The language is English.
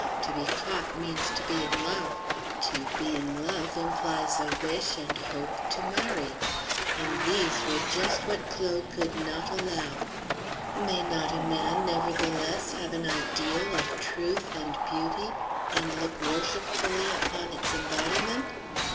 To be caught means to be in love, to be in love implies a wish and hope to marry, and these were just what Claude could not allow. May not a man, nevertheless, have an ideal of truth and beauty and look worshipfully upon its embodiment?